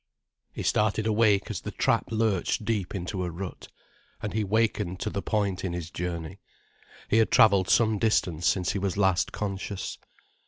He started awake as the trap lurched deep into a rut. And he wakened to the point in his journey. He had travelled some distance since he was last conscious.